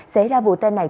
xảy ra vụ tên này